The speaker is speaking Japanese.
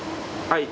はい。